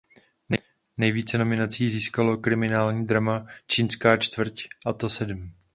Nejvíce nominací získalo kriminální drama "Čínská čtvrť" a to sedm.